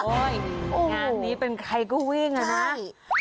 โอ้โหงานนี้เป็นใครก็วิ่งนะนะ